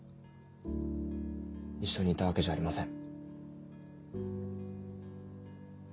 一緒にいたわけじゃありません。